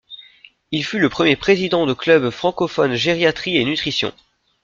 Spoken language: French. Il fut le premier président de Club francophone gériatrie et nutrition.